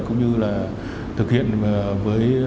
cũng như là thực hiện với